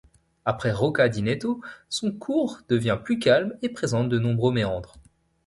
Après Rocca di Neto, son cours devient plus calme et présente de nombreux méandres.